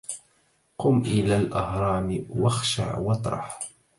قم إلى الأهرام واخشع واطرح